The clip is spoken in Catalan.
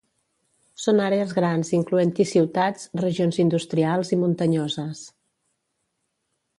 Són àrees grans incloent-hi ciutats, regions industrials i muntanyoses.